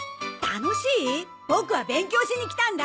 ボクは勉強しに来たんだ！